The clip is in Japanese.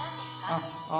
ああ、